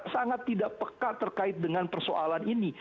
sangat tidak peka terkait dengan persoalan ini